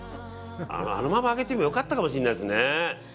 あのまま揚げても良かったかもしれないですね。